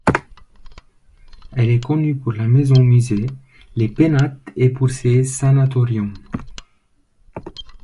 Elle est connue pour la maison-musée Les Pénates et pour ses sanatoriums.